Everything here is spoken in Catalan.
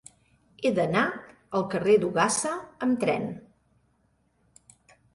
He d'anar al carrer d'Ogassa amb tren.